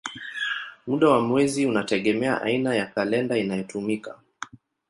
Muda wa mwezi unategemea aina ya kalenda inayotumika.